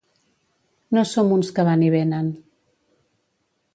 No som uns que van i venen.